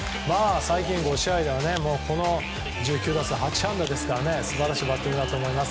最近５試合では１９打数８安打ですから素晴らしいバッティングだと思います。